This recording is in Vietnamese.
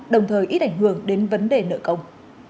đồng thời ít ảnh hưởng đến vấn đề nợ công